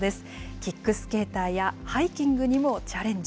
キックスケーターやハイキングにもチャレンジ。